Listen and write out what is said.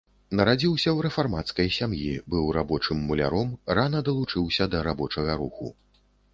Нарадзіўся ў рэфармацкай сям'і, быў рабочым-муляром, рана далучыўся да рабочага руху.